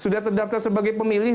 sudah terdaftar sebagai pemilih